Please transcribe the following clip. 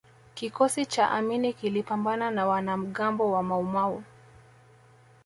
kikosi cha amini kilipambana na wanamgambo wa maumau